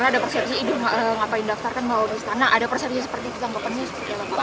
ada persepsi seperti itu tanggapannya seperti apa pak